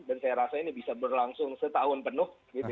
dan saya rasa ini bisa berlangsung setahun penuh